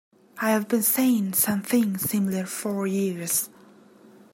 I've been saying something similar for years.